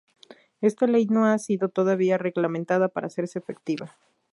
Esta ley no ha sido todavía reglamentada para hacerse efectiva.